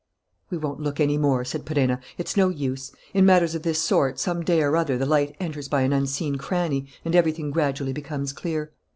"We won't look any more," said Perenna, "it's no use. In matters of this sort, some day or other the light enters by an unseen cranny and everything gradually becomes clear.